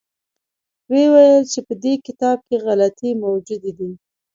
ویې ویل چې په دې کتاب کې غلطۍ موجودې دي.